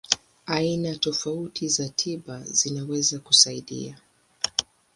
Aina tofauti za tiba zinaweza kusaidia.